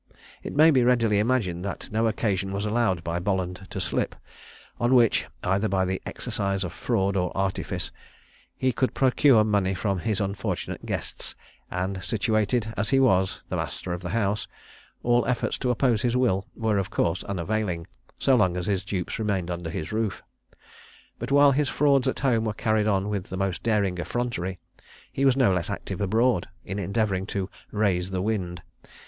It may be readily imagined that no occasion was allowed by Bolland to slip, on which, either by the exercise of fraud or artifice, he could procure money from his unfortunate guests; and situated as he was the master of the house, all efforts to oppose his will were of course unavailing so long as his dupes remained under his roof. But while his frauds at home were carried on with the most daring effrontery, he was no less active abroad, in endeavouring to "raise the wind."